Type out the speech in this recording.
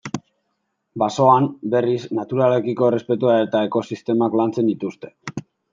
Basoan, berriz, naturarekiko errespetua eta ekosistemak lantzen dituzte.